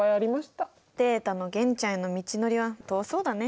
データの玄ちゃんへの道のりは遠そうだね。